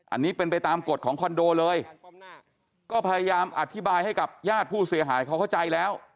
อันนี้เป็นไปตามกฎของคอนโดเลยก็พยายามอธิบายให้กับญาติผู้เสียหายเขาเข้าใจแล้ว